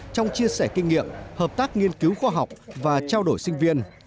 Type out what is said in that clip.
trong chia sẻ kinh nghiệm hợp tác nghiên cứu khoa học và trao đổi sinh viên